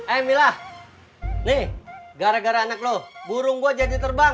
eh mila nih gara gara anak loh burung gue jadi terbang